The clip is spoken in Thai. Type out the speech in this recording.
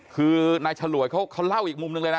คือนายฉลวยเขาเล่าอีกมุมหนึ่งเลยนะ